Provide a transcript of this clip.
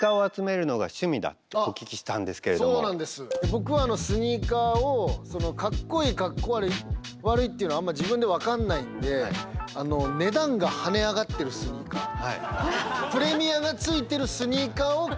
僕はスニーカーをかっこいいかっこ悪いっていうのはあんまり自分で分かんないんでと思ってるってことですから。